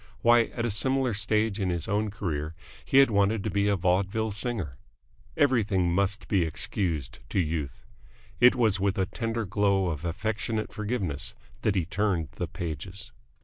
Why, at a similar stage in his own career he had wanted to be a vaudeville singer. Everything must be excused to Youth. It was with a tender glow of affectionate forgiveness that he turned the pages.